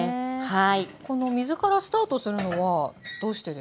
この水からスタートするのはどうしてですか？